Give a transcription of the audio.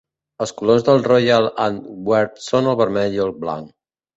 Els colors del Royal Antwerp són el vermell i el blanc.